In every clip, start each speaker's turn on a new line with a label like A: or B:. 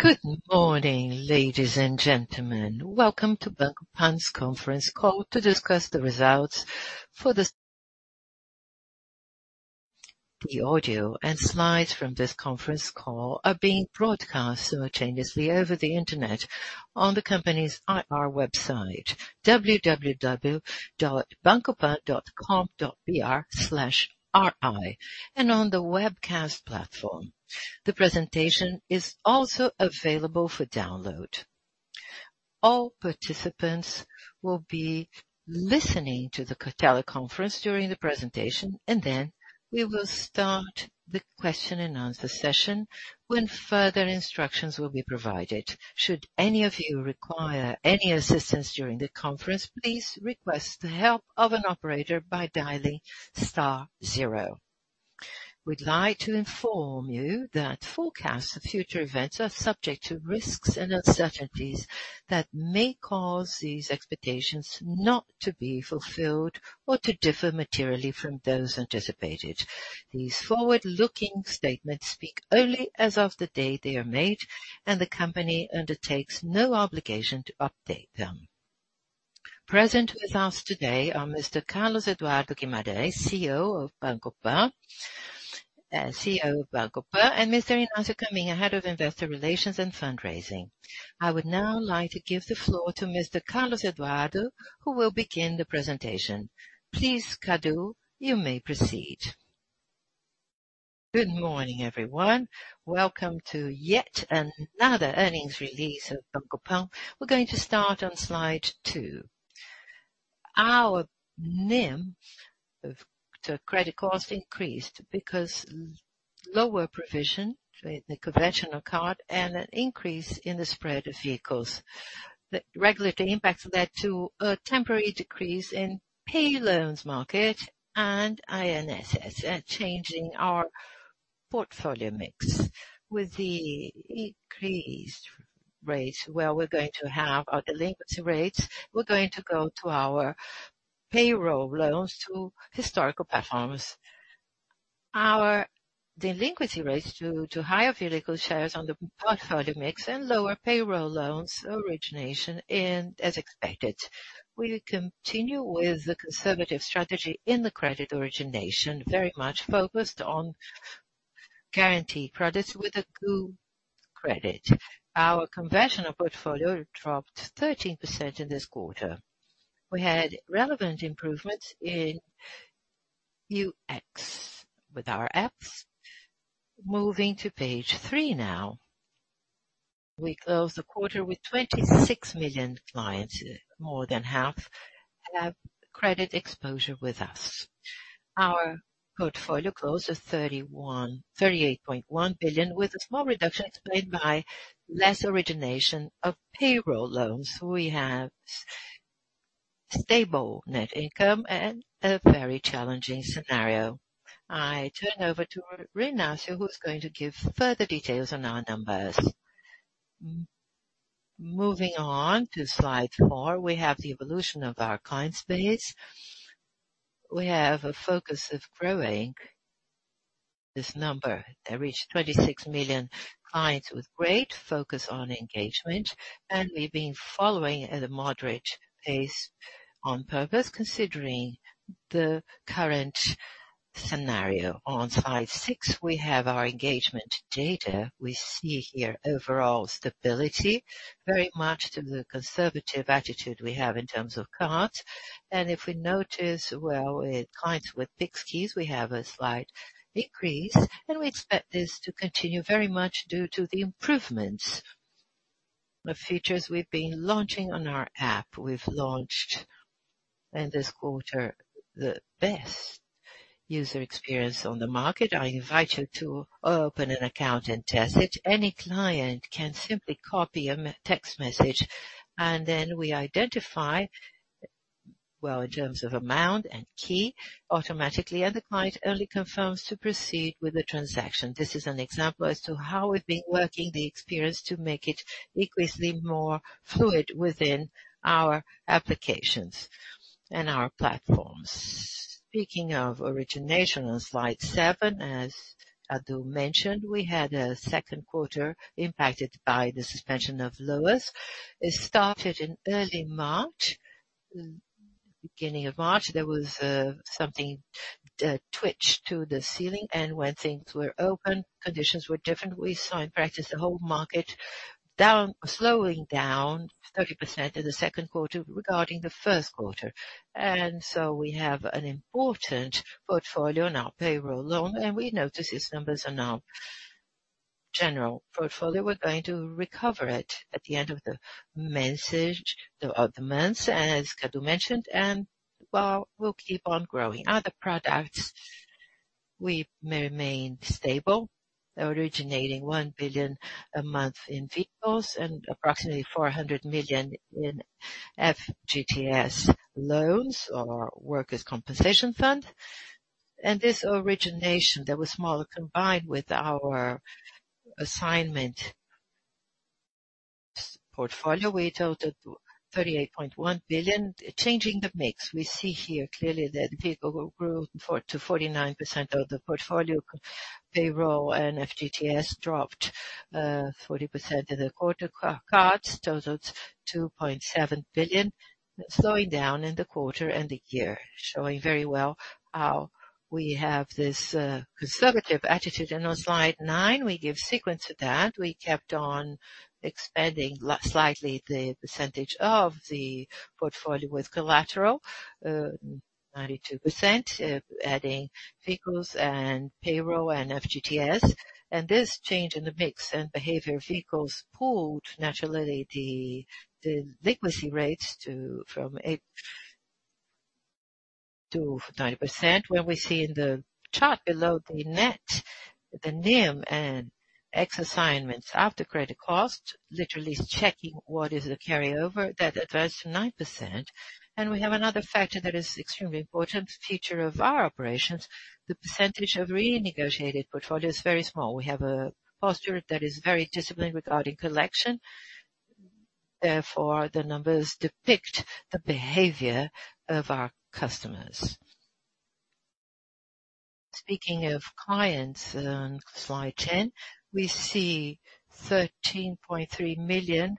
A: Good morning, ladies and gentlemen. Welcome Banco PAN's conference call to discuss the results for this... The audio and slides from this conference call are being broadcast simultaneously over the Internet on the company's IR website, www.bancopan.com.br/ir, and on the webcast platform. The presentation is also available for download. All participants will be listening to the teleconference during the presentation, and then we will start the question and answer session when further instructions will be provided. Should any of you require any assistance during the conference, please request the help of an operator by dialing star zero. We'd like to inform you that forecasts of future events are subject to risks and uncertainties that may cause these expectations not to be fulfilled or to differ materially from those anticipated. These forward-looking statements speak only as of the day they are made, and the company undertakes no obligation to update them. Present with us today are Mr. Carlos Eduardo Guimarães, CEO of Banco PAN, CEO Banco PAN, and Mr. Inácio Caminha, Head of Investor Relations and Fundraising. I would now like to give the floor to Mr. Carlos Eduardo, who will begin the presentation. Please, Cadu, you may proceed.
B: Good morning, everyone. Welcome to yet another earnings release Banco PAN. we're going to start on slide two. Our NIM of the credit cost increased because lower provision for the conventional card and an increase in the spread of vehicles. The regulatory impact led to a temporary decrease in pay loans market and INSS, changing our portfolio mix with the increased rates where we're going to have our delinquency rates, we're going to go to our payroll loans to historical platforms. Our delinquency rates due to higher vehicle shares on the portfolio mix and lower payroll loans origination. As expected, we continue with the conservative strategy in the credit origination, very much focused on guaranteed products with a good credit. Our conventional portfolio dropped 13% in this quarter. We had relevant improvements in UX with our apps. Moving to page three now. We closed the quarter with 26 million clients. More than half have credit exposure with us. Our portfolio closed at 38.1 billion, with a small reduction explained by less origination of payroll loans. We have stable net income and a very challenging scenario. I turn over to Inacio, who is going to give further details on our numbers.
C: Moving on to slide four, we have the evolution of our client space. We have a focus of growing this number that reached 26 million clients with great focus on engagement. We've been following at a moderate pace on purpose, considering the current scenario. On slide six, we have our engagement data. We see here overall stability, very much to the conservative attitude we have in terms of cards. If we notice well, with clients with Pix keys, we have a slight decrease, and we expect this to continue very much due to the improvements of features we've been launching on our app. We've launched in this quarter, the best user experience on the market. I invite you to open an account and test it. Any client can simply copy a text message, and then we identify, well, in terms of amount and key, automatically, and the client only confirms to proceed with the transaction. This is an example as to how we've been working the experience to make it increasingly more fluid within our applications and our platforms. Speaking of origination, on slide seven, as Cadu mentioned, we had a second quarter impacted by the suspension of loans. It started in early March. Beginning of March, there was something, a twitch to the ceiling, and when things were open, conditions were different. We saw, in practice, the whole market down, slowing down 30% in the second quarter regarding the first quarter. So we have an important portfolio in our payroll loan, and we notice these numbers are now general portfolio. We're going to recover it at the end of the message, the months, as Cadu mentioned, well, we'll keep on growing. Other products, we remained stable, originating 1 billion a month in vehicles and approximately 400 million in FGTS loans or workers compensation fund. This origination that was smaller, combined with our assignment portfolio, we totaled to 38.1 billion. Changing the mix, we see here clearly that people will grow 4%-49% of the portfolio. Payroll and FGTS dropped 40% in the quarter. Cards totaled 2.7 billion, slowing down in the quarter and the year, showing very well how we have this conservative attitude. On slide nine, we give sequence to that. We kept on expanding slightly the percentage of the portfolio with collateral, 92%, adding vehicles and payroll and FGTS. This change in the mix and behavior vehicles pulled naturally the delinquency rates to, from 8%-90%. Where we see in the chart below the net, the NIM and X assignments after credit cost, literally checking what is the carryover, that advanced to 9%. We have another factor that is extremely important feature of our operations. The percentage of renegotiated portfolio is very small. We have a posture that is very disciplined regarding collection. Therefore, the numbers depict the behavior of our customers. Speaking of clients, on slide 10, we see 13.3 million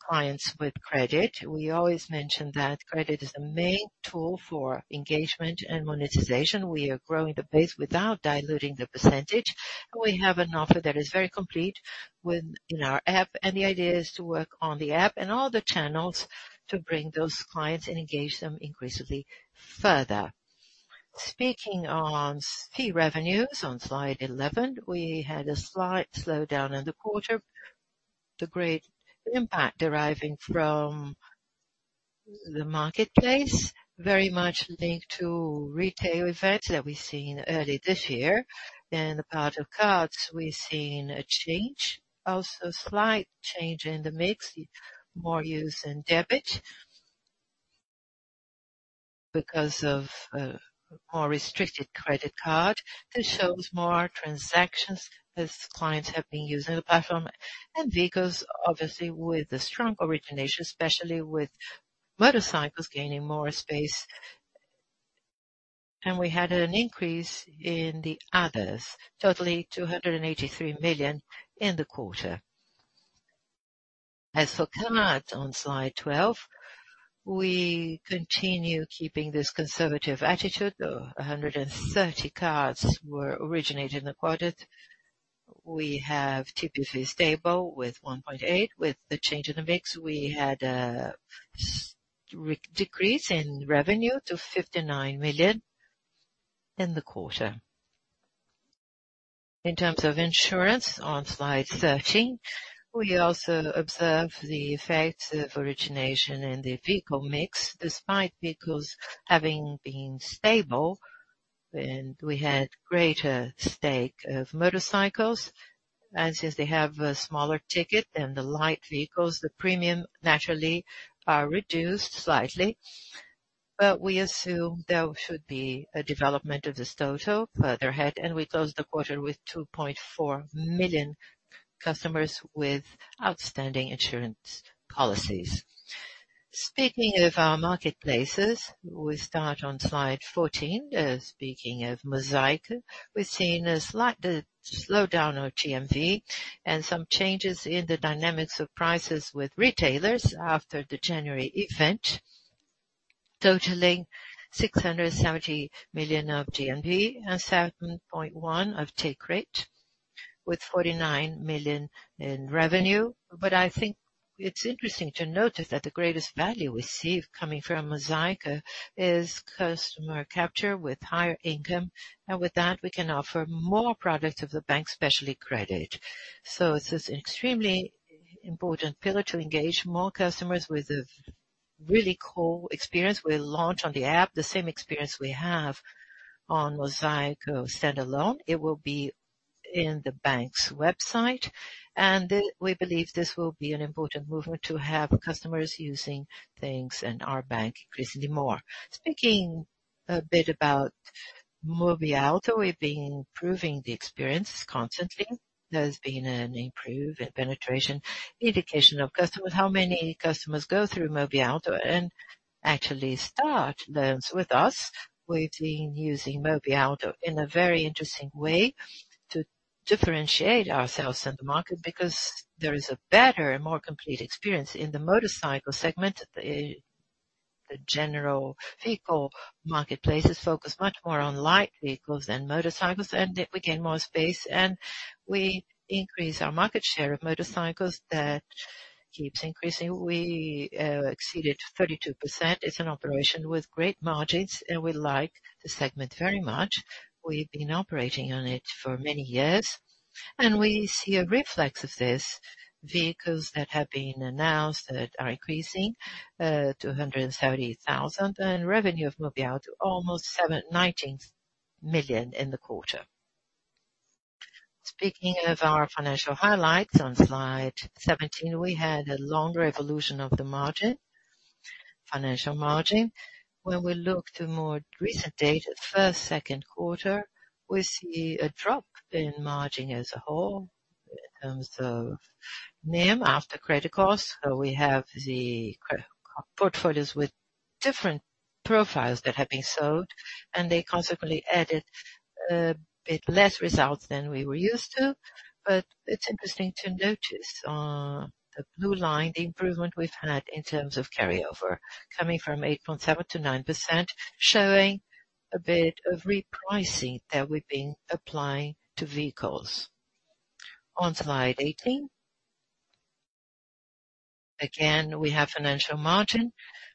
C: clients with credit. We always mention that credit is the main tool for engagement and monetization. We are growing the base without diluting the percentage. We have an offer that is very complete with, in our app, and the idea is to work on the app and all the channels to bring those clients and engage them increasingly further. Speaking on fee revenues on slide 11, we had a slight slowdown in the quarter. The great impact deriving from the marketplace, very much linked to retail events that we've seen early this year. In the part of cards, we've seen a change, also slight change in the mix, more use in debit because of more restricted credit card, that shows more transactions as clients have been using the platform. Vehicles, obviously, with the strong origination, especially with motorcycles gaining more space. We had an increase in the others, totally 283 million in the quarter. As for cards on slide 12, we continue keeping this conservative attitude, though 130 cards were originated in the quarter. We have TPF stable with 1.8. With the change in the mix, we had a s- re-- decrease in revenue to 59 million in the quarter. In terms of insurance on slide 13, we also observe the effects of origination in the vehicle mix, despite vehicles having been stable, and we had greater stake of motorcycles. Since they have a smaller ticket than the light vehicles, the premium naturally are reduced slightly. We assume there should be a development of this total further ahead, and we closed the quarter with 2.4 million customers with outstanding insurance policies. Speaking of our marketplaces, we start on slide 14. Speaking of Mosaico, we've seen a slight slowdown of GMV and some changes in the dynamics of prices with retailers after the January event, totaling 670 million of GMV and 7.1% of take rate, with 49 million in revenue. I think it's interesting to note that the greatest value we see coming from Mosaico is customer capture with higher income, and with that, we can offer more products of Banco PAN, especially credit. It is an extremely important pillar to engage more customers with a really cool experience. We launch on the app, the same experience we have on Mosaico standalone. It will be in Banco PAN's website, and we believe this will be an important movement to have customers using things in Banco PAN increasingly more. Speaking a bit about Mobiauto, we've been improving the experiences constantly. There's been an improved penetration, indication of customers, how many customers go through Mobiauto and actually start loans with us. We've been using Mobiauto in a very interesting way to differentiate ourselves in the market, because there is a better and more complete experience in the motorcycle segment. The general vehicle marketplaces focus much more on light vehicles than motorcycles, we gain more space, and we increase our market share of motorcycles. That keeps increasing. We exceeded 32%. It's an operation with great margins, and we like the segment very much. We've been operating on it for many years, and we see a reflex of this. Vehicles that have been announced that are increasing to 130,000, revenue of Mobiauto, almost $19 million in the quarter. Speaking of our financial highlights on slide 17, we had a longer evolution of the margin. Financial margin. When we look to more recent data, 1st, 2nd quarter, we see a drop in margin as a whole in terms of NIM after credit costs. We have the portfolios with different profiles that have been sold, and they consequently added a bit less results than we were used to. It's interesting to notice on the blue line, the improvement we've had in terms of carryover, coming from 8.7% to 9%, showing a bit of repricing that we've been applying to vehicles. On slide 18, again, we have financial margin.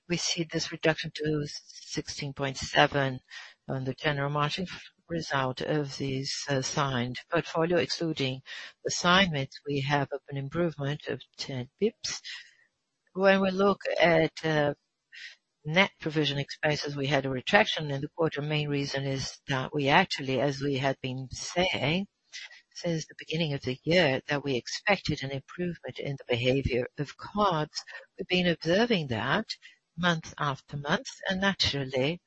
C: We see this reduction to 16.7 on the general margin result of these signed portfolio. Excluding assignments, we have an improvement of 10 bips. When we look at net provision expenses, we had a retraction in the quarter. Main reason is that we actually, as we have been saying since the beginning of the year, that we expected an improvement in the behavior of cards. We've been observing that month after month, naturally,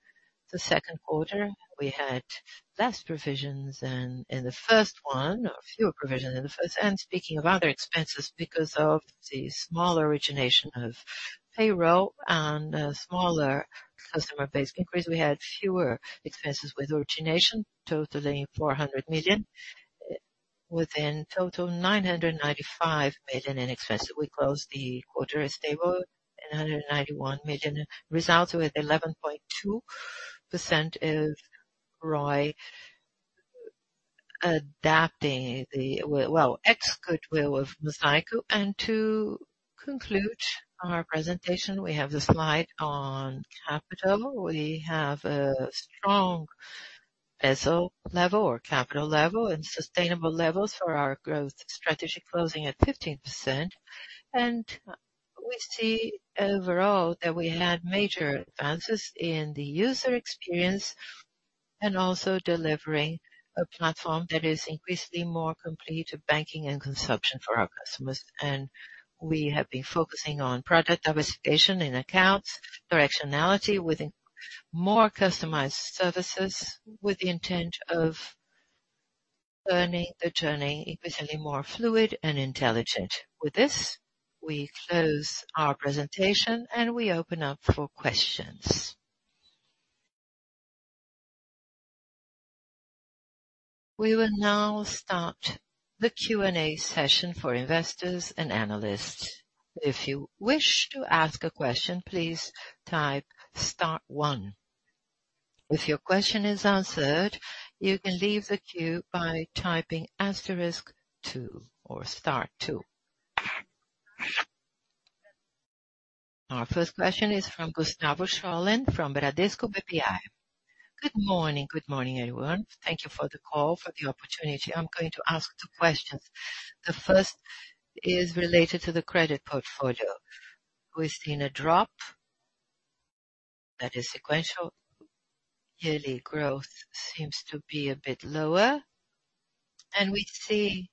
C: the second quarter, we had less provisions than in the first one, or fewer provisions in the first. Speaking of other expenses, because of the small origination of payroll and smaller customer base increase, we had fewer expenses with origination, totaling 400 million, within total 995 million in expenses. We closed the quarter stable, 991 million, results with 11.2% of ROI, adapting the well, ex goodwill of Mosaico. To conclude our presentation, we have the slide on capital. We have a strong SL level or capital level and sustainable levels for our growth strategy, closing at 15%. We see overall that we had major advances in the user experience and also delivering a platform that is increasingly more complete to banking and consumption for our customers. We have been focusing on product diversification in accounts, directionality with more customized services, with the intent of earning the journey increasingly more fluid and intelligent. With this, we close our presentation, and we open up for questions.
A: We will now start the Q&A session for investors and analysts. If you wish to ask a question, please type star one. If your question is answered, you can leave the queue by typing asterisk two or star two. Our first question is from Gustavo Schroden, from Bradesco BBI.
D: Good morning. Good morning, everyone. Thank you for the call, for the opportunity. I'm going to ask two questions. The first is related to the credit portfolio. We've seen a drop that is sequential. Yearly growth seems to be a bit lower, and we see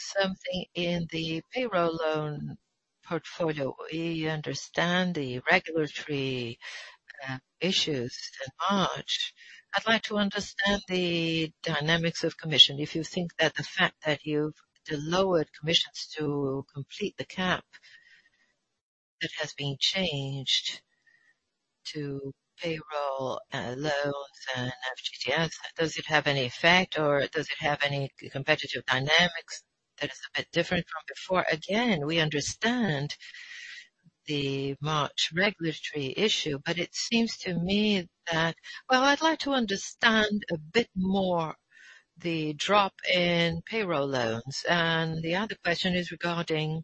D: something in the payroll loan portfolio. We understand the regulatory issues in March. I'd like to understand the dynamics of commission. If you think that the fact that you've lowered commissions to complete the cap, that has been changed to payroll loans and FGTS, does it have any effect, or does it have any competitive dynamics that is a bit different from before? Again, we understand the March regulatory issue, but it seems to me that... Well, I'd like to understand a bit more the drop in payroll loans. The other question is regarding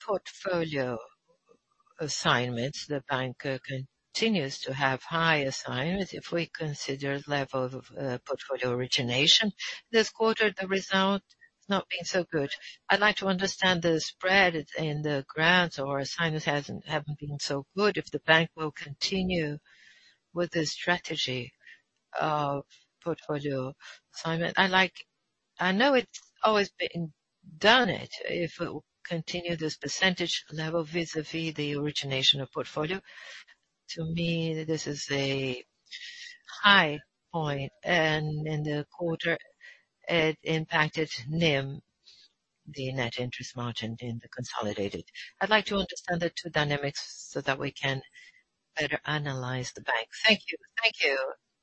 D: portfolio assignments. The bank continues to have high assignments. If we consider level of portfolio origination this quarter, the result has not been so good. I'd like to understand the spread in the grants or assignments hasn't, haven't been so good, if the bank will continue with the strategy of portfolio assignment. I know it's always been done it, if it will continue this percentage level vis-à-vis the origination of portfolio. To me, this is a high point, and in the quarter, it impacted NIM, the net interest margin in the consolidated. I'd like to understand the two dynamics so that we can better analyze the bank. Thank you.
B: Thank you.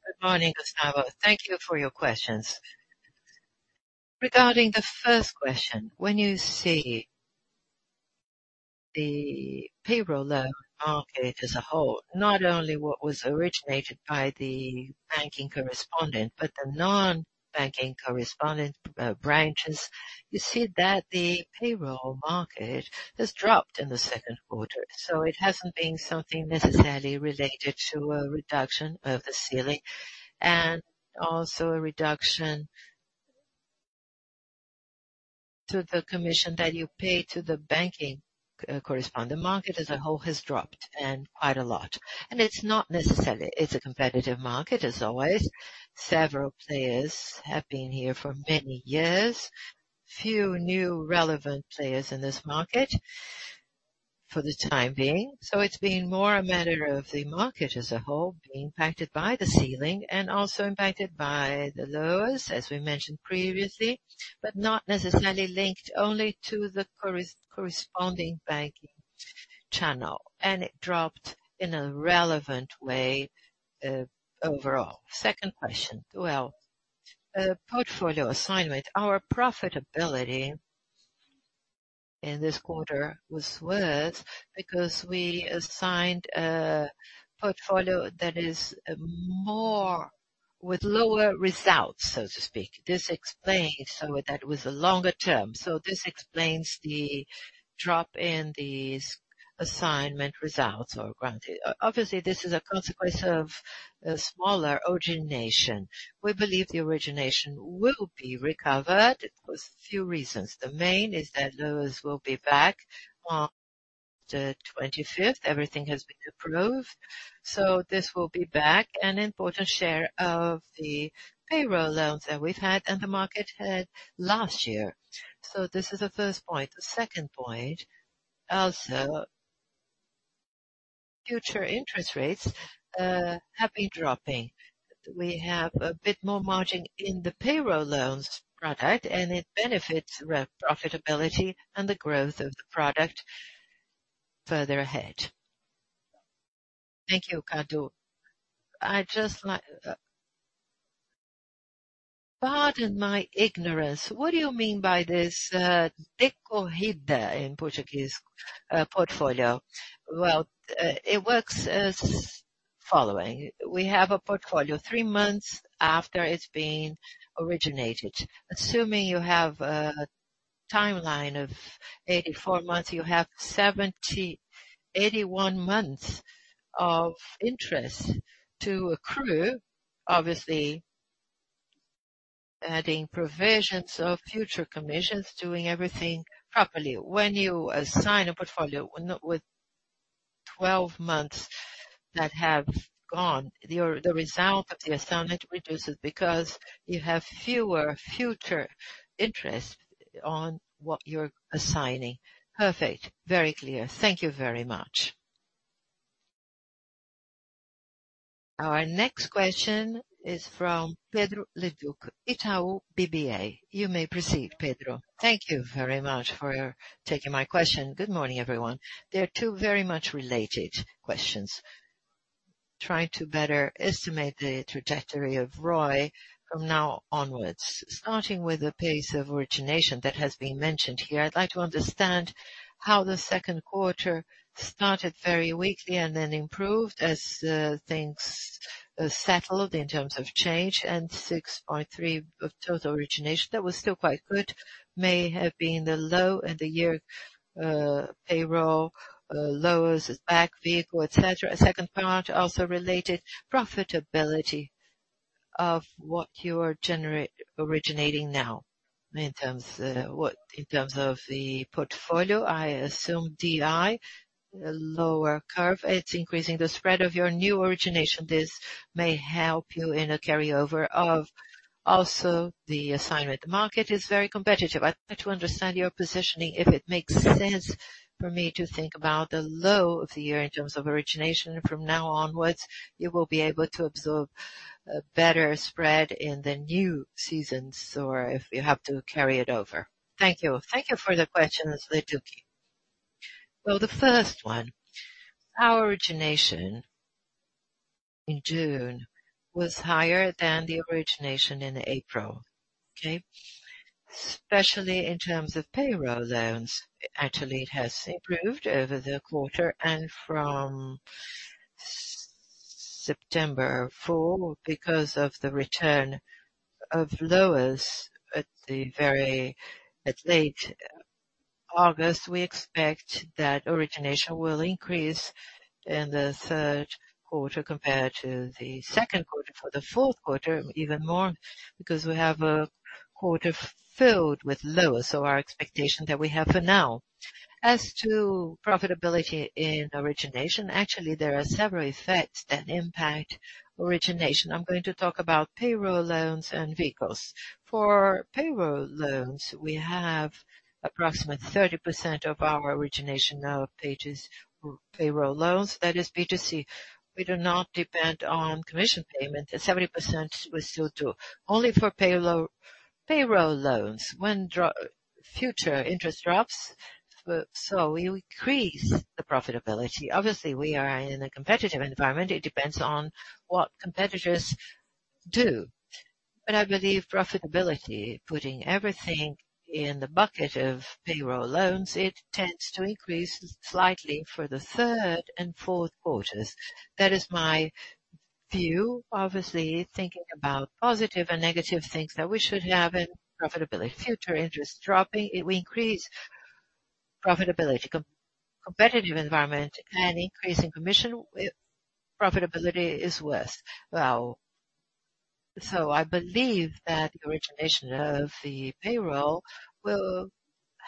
B: Good morning, Gustavo. Thank you for your questions. Regarding the first question, when you see the payroll loan market as a whole, not only what was originated by the banking correspondent, but the non-banking correspondent branches, you see that the payroll market has dropped in the second quarter. It hasn't been something necessarily related to a reduction of the ceiling and also a reduction to the commission that you pay to the banking correspondent. Market as a whole has dropped and quite a lot. It's not necessarily, it's a competitive market, as always. Several players have been here for many years. Few new relevant players in this market. For the time being. It's been more a matter of the market as a whole being impacted by the ceiling and also impacted by the lows, as we mentioned previously, but not necessarily linked only to the corresponding banking channel, and it dropped in a relevant way, overall. Second question: Well, portfolio assignment. Our profitability in this quarter was worse because we assigned a portfolio that is more with lower results, so to speak. This explains so that with a longer term, so this explains the drop in these assignment results or granted. Obviously, this is a consequence of a smaller origination. We believe the origination will be recovered. It was a few reasons. The main is that those will be back on the 25th. Everything has been approved, this will be back an important share of the payroll loans that we've had and the market had last year. This is the first point. The second point, also, future interest rates have been dropping. We have a bit more margin in the payroll loans product, and it benefits the profitability and the growth of the product further ahead.
D: Thank you, Cadu. I'd just like, pardon my ignorance, what do you mean by this decorrida in Portuguese portfolio?
B: Well, it works as following: We have a portfolio three months after it's been originated. Assuming you have a timeline of 84 months, you have 81 months of interest to accrue, obviously, adding provisions of future commissions, doing everything properly. When you assign a portfolio with 12 months that have gone, the result of the assignment reduces because you have fewer future interest on what you're assigning.
D: Perfect. Very clear. Thank you very much.
A: Our next question is from Pedro Leduc, Itaú BBA. You may proceed, Pedro.
E: Thank you very much for taking my question. Good morning, everyone. There are two very much related questions. Try to better estimate the trajectory of ROE from now onwards, starting with the pace of origination that has been mentioned here. I'd like to understand how the second quarter started very weakly and then improved as things settled in terms of change and 6.3 of total origination. That was still quite good, may have been the low in the year, payroll, lowers its back vehicle, et cetera. A second part, also related, profitability of what you are generat- originating now in terms, what-- in terms of the portfolio, I assume DI, a lower curve, it's increasing the spread of your new origination. This may help you in a carryover of also the assignment. The market is very competitive. I'd like to understand your positioning, if it makes sense for me to think about the low of the year in terms of origination. From now onwards, you will be able to absorb a better spread in the new seasons or if you have to carry it over. Thank you.
B: Thank you for the questions, Leduc. Well, the first one, our origination in June was higher than the origination in April. Okay? Especially in terms of payroll loans, actually, it has improved over the quarter and from September full, because of the return of loans at late August, we expect that origination will increase in the third quarter compared to the second quarter. The fourth quarter, even more, because we have a quarter filled with loans, so our expectation that we have for now. As to profitability in origination, actually, there are several effects that impact origination. I'm going to talk about payroll loans and vehicles. Payroll loans, we have approximately 30% of our origination now pages payroll loans. That is B2C. We do not depend on commission payment, 70% we still do. Only for payroll loans, when future interest drops, we increase the profitability. Obviously, we are in a competitive environment. It depends on what competitors do. I believe profitability, putting everything in the bucket of payroll loans, it tends to increase slightly for the third and fourth quarters. That is my view, obviously, thinking about positive and negative things that we should have in profitability. Future interest dropping, it will increase profitability. Competitive environment and increase in commission, profitability is worth well. I believe that the origination of the payroll will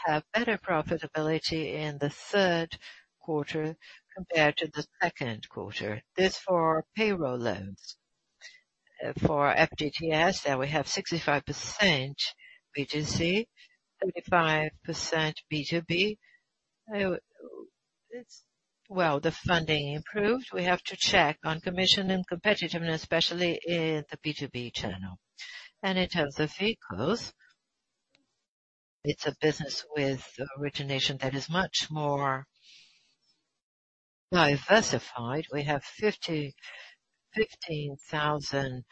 B: have better profitability in the third quarter compared to the second quarter. This for payroll loans.... for FGTS, that we have 65% B2C, 35% B2B. Well, the funding improved. We have to check on commission and competitiveness, especially in the B2B channel. In terms of vehicles, it's a business with origination that is much more diversified. We have 15,000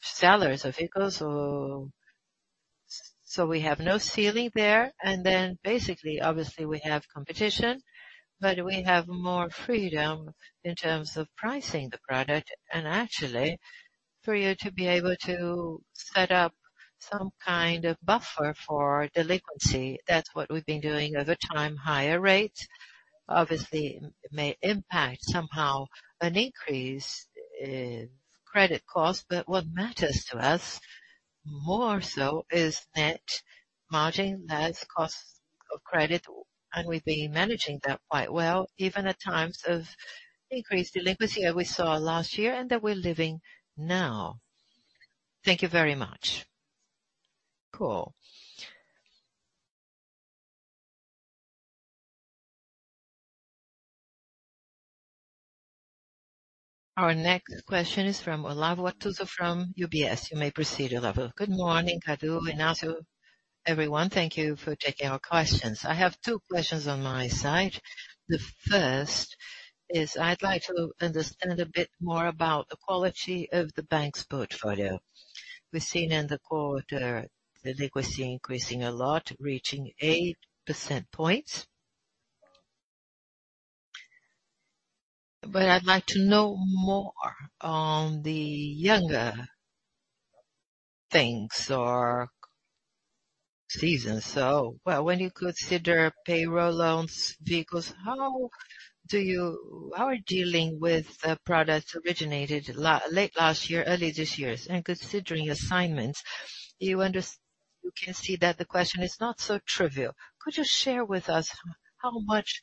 B: sellers of vehicles, so we have no ceiling there. Basically, obviously, we have competition, but we have more freedom in terms of pricing the product, and actually for you to be able to set up some kind of buffer for delinquency. That's what we've been doing over time, higher rates. Obviously, it may impact somehow an increase in credit costs, but what matters to us more so is net margin, less cost of credit, and we've been managing that quite well, even at times of increased delinquency, as we saw last year and that we're living now.
E: Thank you very much. Cool.
A: Our next question is from Olavo Arthuzo, from UBS. You may proceed, Olavo.
F: Good morning, Cadu, Inácio, everyone. Thank you for taking our questions. I have two questions on my side. The first is I'd like to understand a bit more about the quality of the bank's portfolio. We've seen in the quarter, the delinquency increasing a lot, reaching 8 percentage points. I'd like to know more on the younger things or season. Well, when you consider payroll loans, vehicles, how are you dealing with the products originated late last year, early this year? Considering assignments, you can see that the question is not so trivial. Could you share with us, how much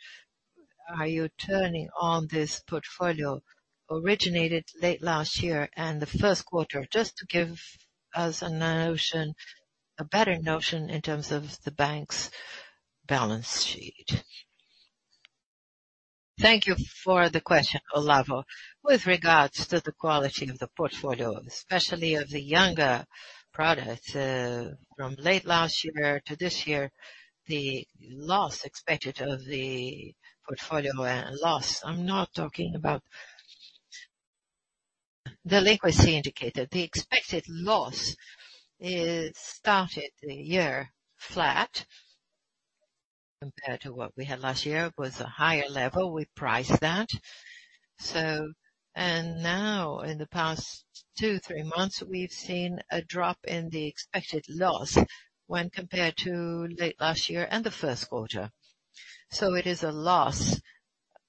F: are you turning on this portfolio originated late last year and the first quarter, just to give us a notion, a better notion in terms of the bank's balance sheet?
B: Thank you for the question, Olavo. With regards to the quality of the portfolio, especially of the younger products, from late last year to this year, the loss expected of the portfolio, loss, I'm not talking about the delinquency indicator. The expected loss, it started the year flat compared to what we had last year, it was a higher level. We priced that. And now, in the past two, three months, we've seen a drop in the expected loss when compared to late last year and the first quarter. It is a loss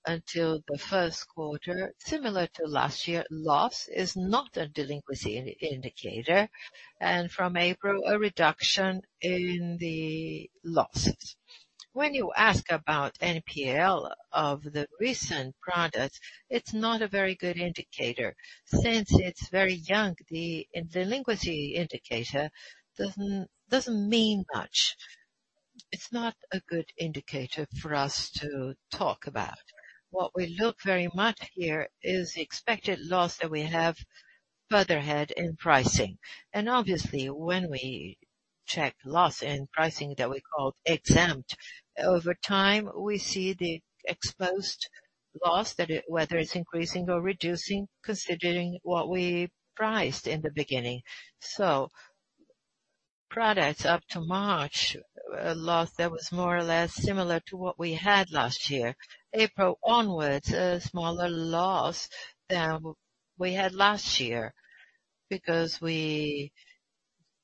B: until the first quarter. Similar to last year, loss is not a delinquency indicator, and from April, a reduction in the losses. When you ask about NPL of the recent products, it's not a very good indicator. Since it's very young, the delinquency indicator doesn't, doesn't mean much. It's not a good indicator for us to talk about. What we look very much here is the expected loss that we have further ahead in pricing. Obviously, when we check loss in pricing that we call exempt, over time, we see the exposed loss, that whether it's increasing or reducing, considering what we priced in the beginning. Products up to March, a loss that was more or less similar to what we had last year. April onwards, a smaller loss than we had last year, because we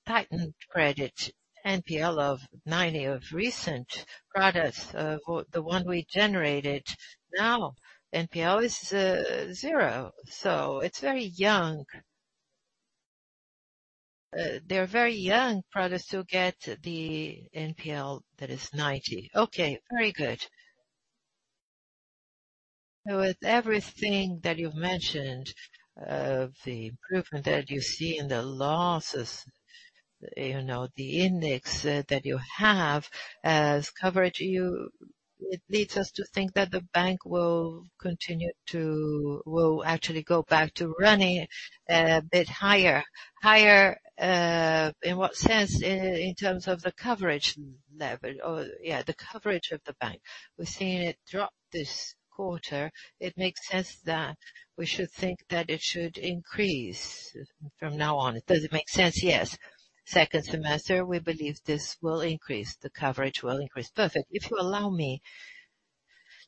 B: tightened credit NPL of 90 of recent products, the one we generated. Now, NPL is zero, so it's very young. They're very young products to get the NPL that is 90.
F: Okay, very good. With everything that you've mentioned, the improvement that you see in the losses, you know, the index, that you have as coverage, it leads us to think that the bank will continue to will actually go back to running a bit higher. Higher, in what sense? In, in terms of the coverage level or, yeah, the coverage of the bank. We've seen it drop this quarter. It makes sense that we should think that it should increase from now on. Does it make sense?
B: Yes. Second semester, we believe this will increase, the coverage will increase.
F: Perfect. If you allow me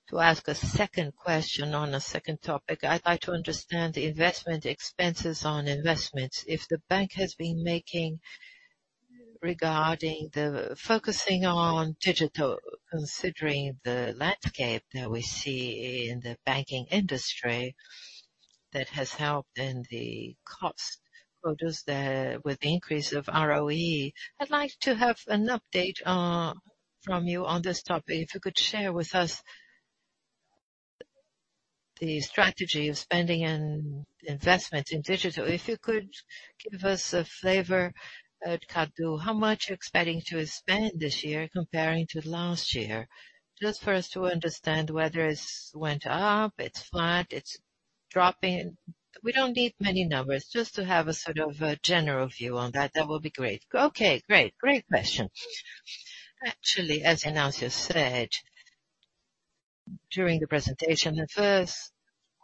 F: to ask a second question on a second topic, I'd like to understand the investment expenses on investments. If the bank has been making regarding the focusing on digital, considering the landscape that we see in the banking industry, that has helped in the cost produce there with the increase of ROE. I'd like to have an update, from you on this topic. If you could share with us the strategy of spending and investment in digital, if you could give us a flavor at Cadu, how much you're expecting to spend this year comparing to last year? Just for us to understand whether it's went up, it's flat, it's dropping. We don't need many numbers, just to have a sort of a general view on that. That will be great.
B: Okay, great. Great question. Actually, as Announcer said, during the presentation, the 1st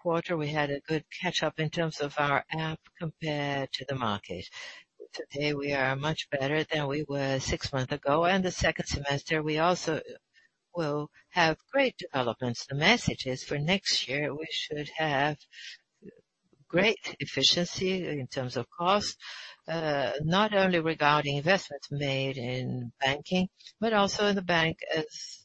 B: quarter, we had a good catch up in terms of our app compared to the market. Today, we are much better than we were six months ago, and the 2nd semester, we also will have great developments. The message is for next year, we should have great efficiency in terms of cost, not only regarding investments made in banking, but also in the bank as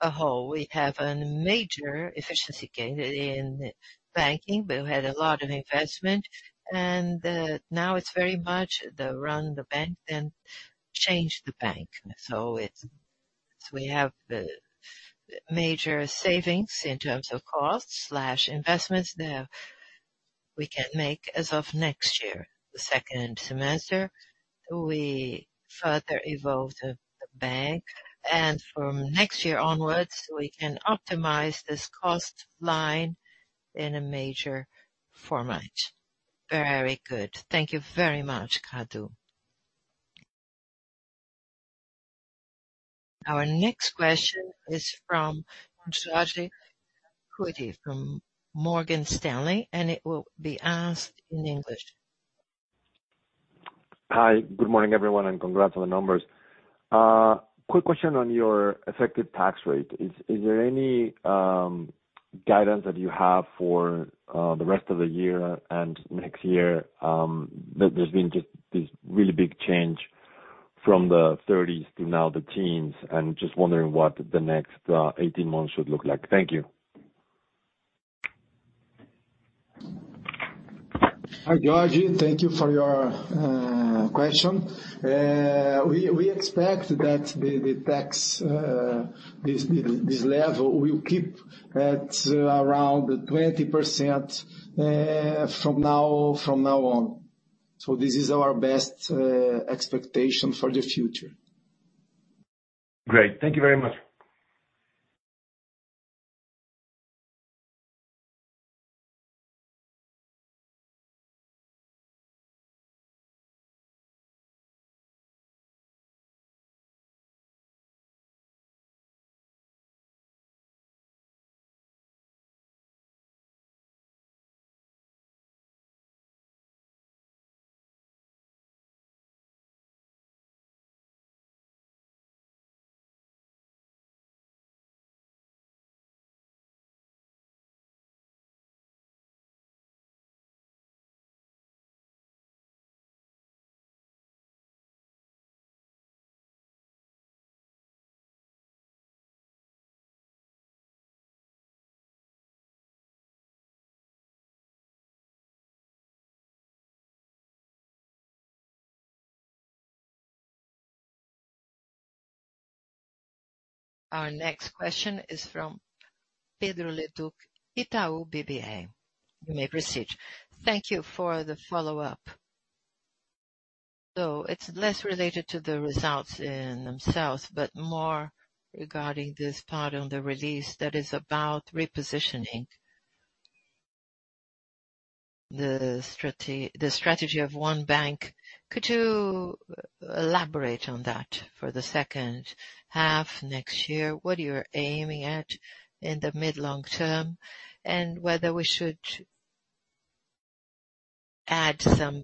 B: a whole. We have a major efficiency gain in banking. We had a lot of investment, and, now it's very much the run the bank, then change the bank. We have the major savings in terms of costs/investments that we can make as of next year. The second semester, we further evolved the bank. From next year onwards, we can optimize this cost line in a major format.
F: Very good. Thank you very much, Cadu.
A: Our next question is from Georgi from Morgan Stanley. It will be asked in English.
G: Hi, good morning, everyone, and congrats on the numbers. Quick question on your effective tax rate. Is, is there any guidance that you have for the rest of the year and next year? There's been just this really big change from the thirties to now the teens, and just wondering what the next 18 months should look like. Thank you.
C: Hi, Georgi. Thank you for your question. We, we expect that the, the tax, this, this level will keep at around 20% from now, from now on. This is our best expectation for the future.
G: Great. Thank you very much.
A: Our next question is from Pedro Leduc, Itaú BBA. You may proceed.
E: Thank you for the follow-up. It's less related to the results in themselves, but more regarding this part on the release that is about repositioning. The strategy of one bank. Could you elaborate on that for the second half next year, what you're aiming at in the mid-long term, and whether we should add some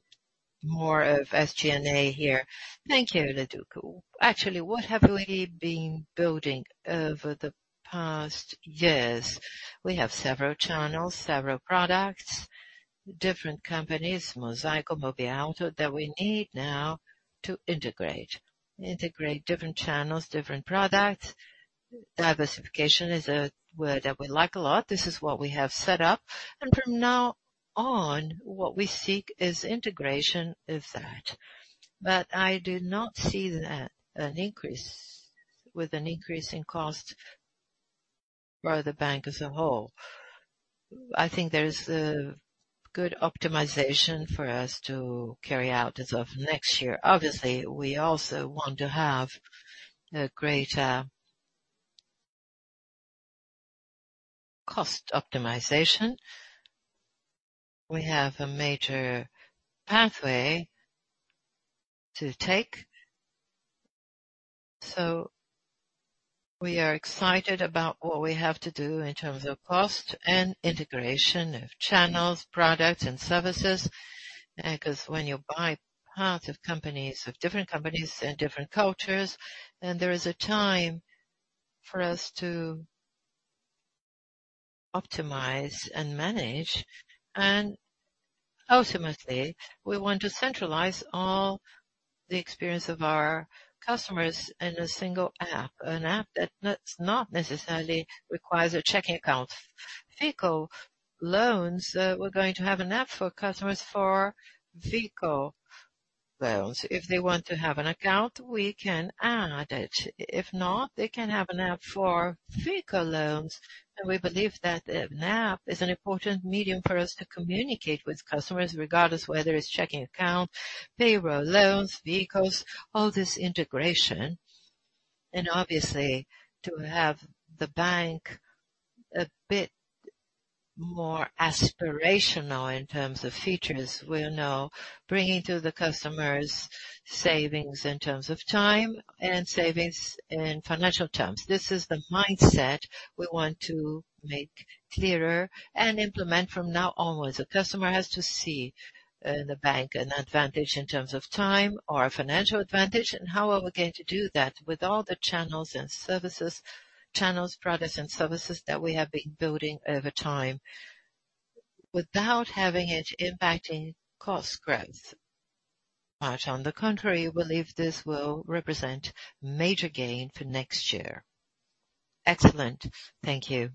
E: more of SG&A here?
B: Thank you, Leduc. Actually, what have we been building over the past years? We have several channels, several products, different companies, Mosaico, Mobiauto, that we need now to integrate. Integrate different channels, different products. Diversification is a word that we like a lot. This is what we have set up, and from now on, what we seek is integration is that. I do not see that an increase, with an increase in cost for the bank as a whole. I think there's a good optimization for us to carry out as of next year. Obviously, we also want to have a greater cost optimization. We have a major pathway to take, so we are excited about what we have to do in terms of cost and integration of channels, products and services. Because when you buy parts of companies, of different companies and different cultures, then there is a time for us to optimize and manage. Ultimately, we want to centralize all the experience of our customers in a single app, an app that not, not necessarily requires a checking account. Vehicle loans, we're going to have an app for customers for vehicle.... Well, if they want to have an account, we can add it. If not, they can have an app for vehicle loans, and we believe that the app is an important medium for us to communicate with customers, regardless whether it's checking account, payroll loans, vehicles, all this integration, and obviously, to have the bank a bit more aspirational in terms of features. We're now bringing to the customers savings in terms of time and savings in financial terms. This is the mindset we want to make clearer and implement from now onwards. The customer has to see the bank an advantage in terms of time or a financial advantage. How are we going to do that? With all the channels and services-- channels, products, and services that we have been building over time, without having it impacting cost growth. Quite on the contrary, we believe this will represent major gain for next year.
E: Excellent. Thank you.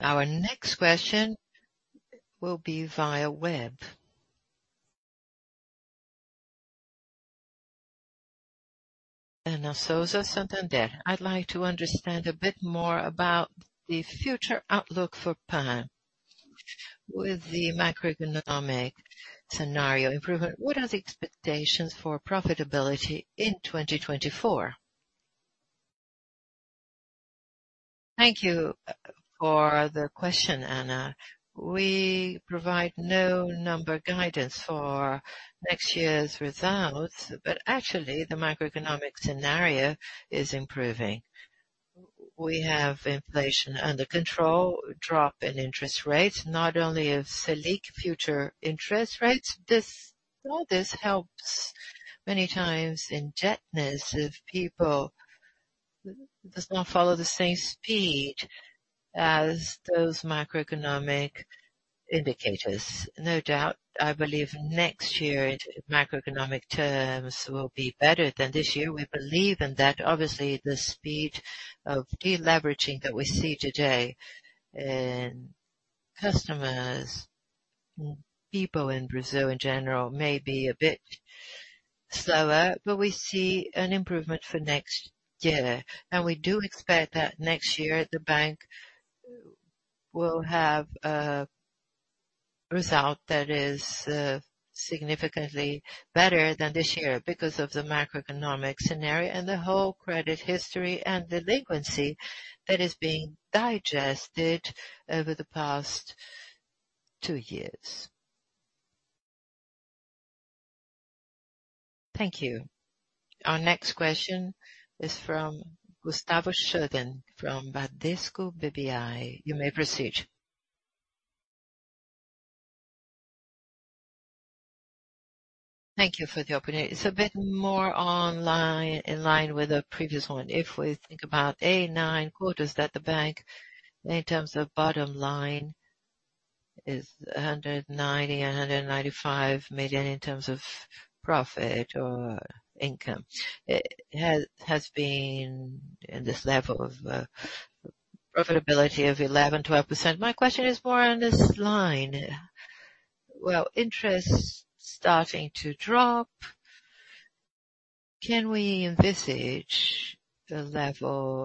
A: Our next question will be via web. Ana Souza, Santander. I'd like to understand a bit more about the future outlook for Banco PAN. With the macroeconomic scenario improvement, what are the expectations for profitability in 2024?
B: Thank you for the question, Ana. Actually, the macroeconomic scenario is improving. We have inflation under control, drop in interest rates, not only of Selic future interest rates. This, well, this helps many times in debtness of people. Does not follow the same speed as those macroeconomic indicators. No doubt, I believe next year, in macroeconomic terms, will be better than this year. We believe in that. Obviously, the speed of deleveraging that we see today in customers, people in Brazil, in general, may be a bit slower, but we see an improvement for next year. We do expect that next year, the bank will have a result that is significantly better than this year because of the macroeconomic scenario and the whole credit history and delinquency that is being digested over the past two years.
A: Thank you. Our next question is from Gustavo Schroden, from Bradesco BBI. You may proceed.
D: Thank you for the opportunity. It's a bit more online, in line with the previous one. If we think about a nine quarters that the bank, in terms of bottom line, is 190 million-195 million in terms of profit or income. It has been in this level of profitability of 11%-12%. My question is more on this line. Well, interest starting to drop, can we envisage a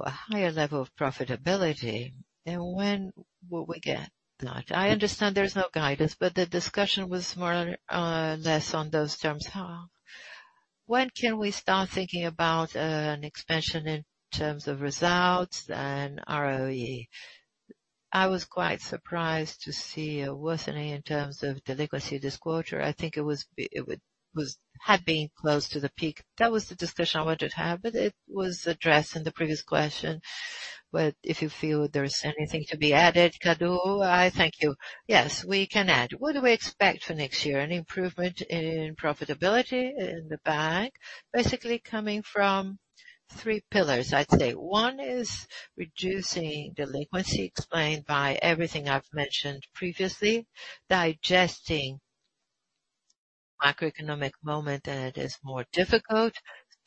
D: higher level of profitability, and when will we get that? I understand there's no guidance. The discussion was more, less on those terms. When can we start thinking about an expansion in terms of results and ROE? I was quite surprised to see a worsening in terms of delinquency this quarter. I think it had been close to the peak. That was the discussion I wanted to have, but it was addressed in the previous question. If you feel there is anything to be added, Cadu, I thank you.
B: Yes, we can add. What do we expect for next year? An improvement in profitability in the bank, basically coming from three pillars, I'd say. One is reducing delinquency, explained by everything I've mentioned previously, digesting macroeconomic moment, and it is more difficult.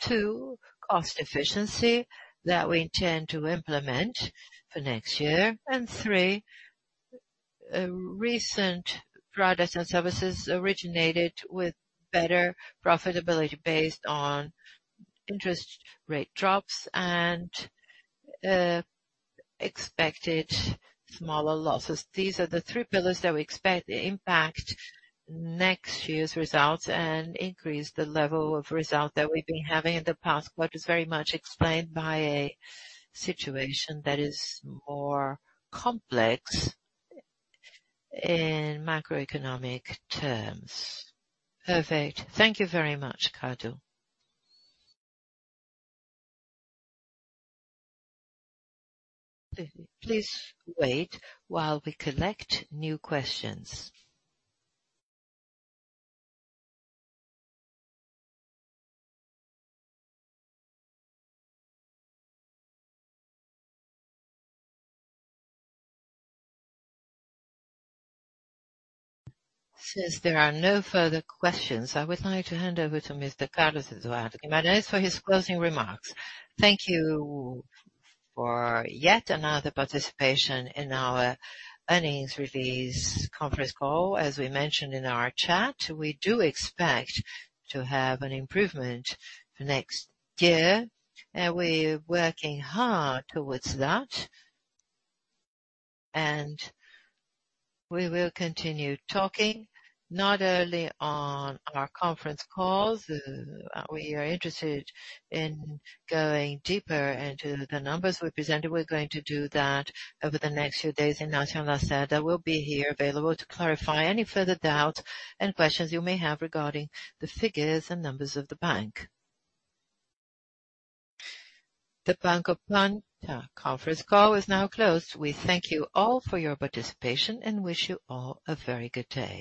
B: Two, cost efficiency that we intend to implement for next year. Three recent products and services originated with better profitability based on interest rate drops and expected smaller losses. These are the three pillars that we expect to impact next year's results and increase the level of result that we've been having in the past, what is very much explained by a situation that is more complex in macroeconomic terms.
D: Perfect. Thank you very much, Cadu.
A: Please wait while we collect new questions. Since there are no further questions, I would like to hand over to Mr. Carlos Eduardo Guimarães for his closing remarks.
B: Thank you for yet another participation in our earnings release conference call. As we mentioned in our chat, we do expect to have an improvement for next year, and we're working hard towards that. We will continue talking, not only on our conference calls, we are interested in going deeper into the numbers we presented. We're going to do that over the next few days, and Natalia Lacerda will be here, available to clarify any further doubts and questions you may have regarding the figures and numbers of the bank.
A: The Banco PAN conference call is now closed. We thank you all for your participation and wish you all a very good day.